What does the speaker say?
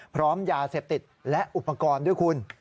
พร้อมยาเสพติดและอุปกรณ์ด้วยคุณ